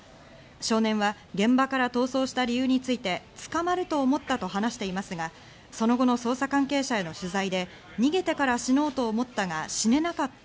少年は現場から逃走した理由について、捕まると思ったと話していますが、その後の捜査関係者への取材で、逃げてから死のうと思ったが死ねなかった。